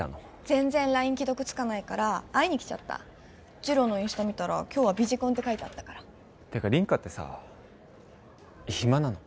全然ＬＩＮＥ既読つかないから会いにきちゃった次郎のインスタ見たら今日はビジコンって書いてあったからてか凛花ってさ暇なの？